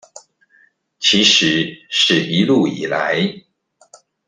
其實是一路以來